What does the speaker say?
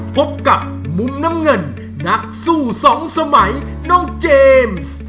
พบกับมุมน้ำเงินนักสู้สองสมัยน้องเจมส์